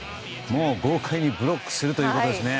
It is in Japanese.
豪快にブロックするということですね。